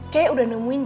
kay udah nemuin jalan